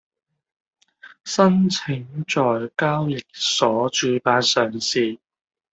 申請在交易所主板上市